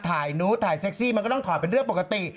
ถ่ายนู้นถ่ายเซ็กซี่มันก็ต้องถอดเป็นเรื่องปกติ